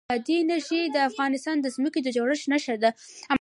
بادي انرژي د افغانستان د ځمکې د جوړښت نښه ده.